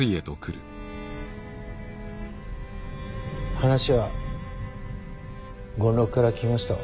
話は権六から聞きましたわ。